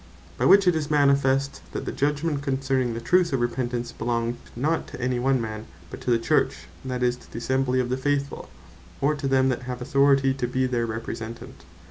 By which it is manifest, that the Judgment concerning the truth of Repentance, belonged not to any one Man, but to the Church, that is, to the Assembly of the Faithfull, or to them that have authority to bee their Representant.